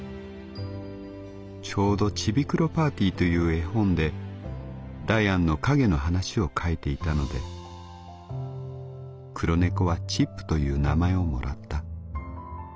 ちょうど『チビクロ・パーティ』という絵本でダヤンの影の話を書いていたので黒猫はチップという名前をもらった。